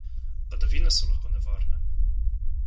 Padavine so lahko nevarne.